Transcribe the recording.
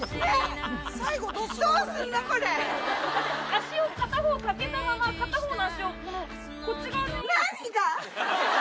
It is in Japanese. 足を片方かけたまま片方の足をこっち側に。